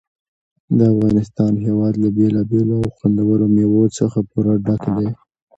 د افغانستان هېواد له بېلابېلو او خوندورو مېوو څخه پوره ډک دی.